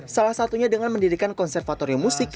salah satunya dengan mendirikan konservatorium musik